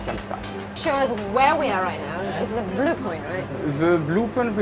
dan kamu berdiri